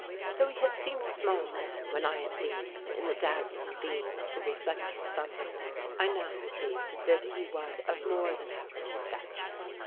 Though he had seemed a small man when I had seen him in the dazzling beam of the reflected sunlight, I now perceived that he was of more than average stature.